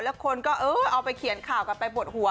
แล้วคนก็เออเอาไปเขียนข่าวกันไปปวดหัว